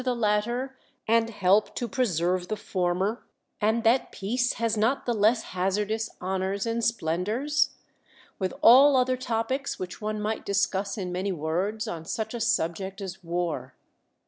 v latter, and help to preserve the former; and that 57 THE WORLD'S FAMOUS ORATIONS peace has not the less hazardous honors and splendors ? with all other topics which one might discuss in many words, on such a subject as war.